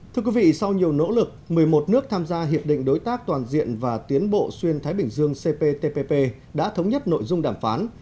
thưa quý vị sau nhiều nỗ lực một mươi một nước tham gia hiệp định đối tác toàn diện và tiến bộ xuyên thái bình dương cptpp đã thống nhất nội dung đàm phán